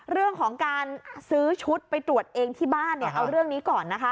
เรื่องของการซื้อชุดไปตรวจเองที่บ้านเนี่ยเอาเรื่องนี้ก่อนนะคะ